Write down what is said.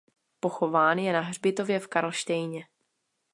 Pochován je na hřbitově v Karlštejně.